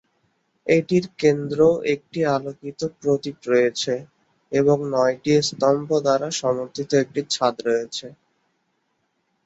এটির কেন্দ্র একটি আলোকিত প্রদীপ রয়েছে এবং নয়টি স্তম্ভ দ্বারা সমর্থিত একটি ছাদ রয়েছে।